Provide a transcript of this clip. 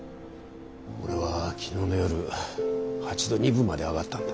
俺は昨日の夜８度２分まで上がったんだ。